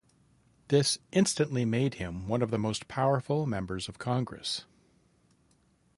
This instantly made him one of the most powerful members of Congress.